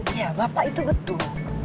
iya bapak itu betul